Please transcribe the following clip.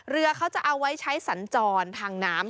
เรือเขาจะเอาไว้ใช้สัญจรทางน้ำ